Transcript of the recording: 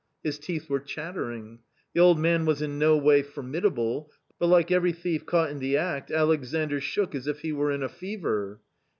His teeth were chattering. The old man was in no way formidable, but like every thief caught in the act, Alexandr shook as if he were in a fever.